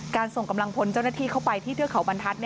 ส่งกำลังพลเจ้าหน้าที่เข้าไปที่เทือกเขาบรรทัศน์